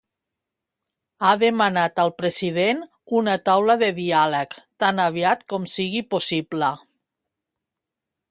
Ha demanat al president una taula de diàleg tan aviat com sigui possible.